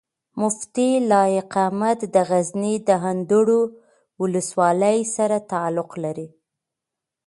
مفتي لائق احمد د غزني د اندړو ولسوالۍ سره تعلق لري